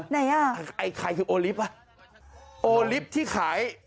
ไหนอ่ะไอ้ไข่คือโอลิฟต์อ่ะโอลิฟต์ที่ขาย